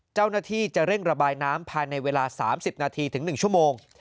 เจ้าหน้าที่จะเร่งระบายน้ำภายในเวลา๓๐นาทีถึง๑ชั่วโมง